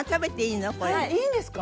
いいんですか？